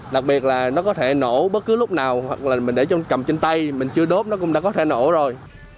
đặc biệt là nó có thể nổ bất cứ lúc nào hoặc là mình để cầm trên tay mình chưa đốt nó cũng đã có thể nổ rồi